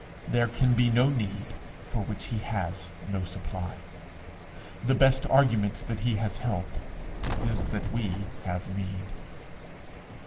There can be no need for which he has no supply. The best argument that he has help, is that we have need.